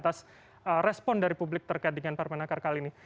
dari kementerian tenaga kerja atas respon dari publik terkait dengan parmenakar kali ini